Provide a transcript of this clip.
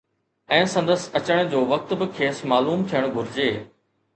۽ سندس اچڻ جو وقت به کيس معلوم ٿيڻ گهرجي